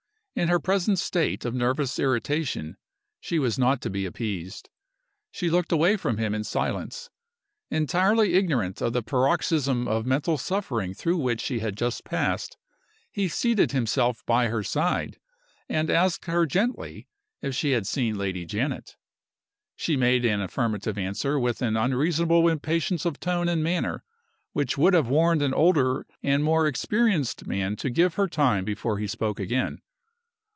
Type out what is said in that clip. In her present state of nervous irritation she was not to be appeased. She looked away from him in silence. Entirely ignorant of the paroxysm of mental suffering through which she had just passed, he seated himself by her side, and asked her gently if she had seen Lady Janet. She made an affirmative answer with an unreasonable impatience of tone and manner which would have warned an older and more experienced man to give her time before he spoke again.